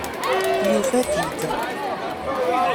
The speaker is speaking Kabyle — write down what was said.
Yufa-t-id.